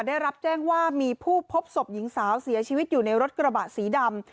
ได้รับแจ้งว่ามีผู้พบศพหญิงสาวเสียชีวิตอยู่ในรถกระบะสีดำ